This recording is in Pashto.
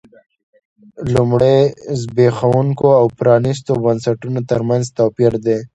لومړی د زبېښونکو او پرانیستو بنسټونو ترمنځ توپیر دی.